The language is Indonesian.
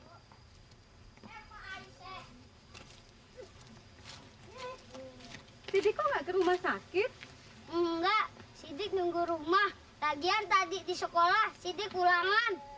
tidak ke rumah sakit enggak sidik nunggu rumah lagian tadi di sekolah sidik ulangan